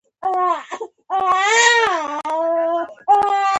د کینو دانه د زړه لپاره وکاروئ